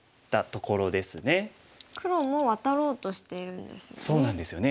黒もワタろうとしているんですよね。